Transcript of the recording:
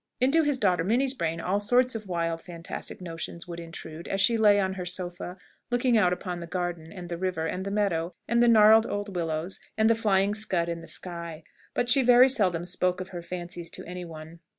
Into his daughter Minnie's brain all sorts of wild, fantastic notions would intrude as she lay on her sofa, looking out upon the garden, and the river, and the meadow, and the gnarled old willows, and the flying scud in the sky; but she very seldom spoke of her fancies to any one.